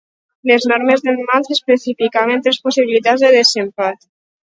Les normes del matx especificaven tres possibilitats de desempat.